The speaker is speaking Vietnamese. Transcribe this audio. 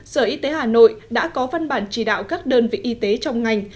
sở y tế hà nội đã có văn bản chỉ đạo các đơn vị y tế trong ngành